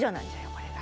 これが。